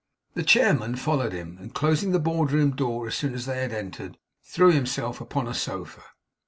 The chairman followed him; and closing the board room door as soon as they had entered, threw himself upon a sofa.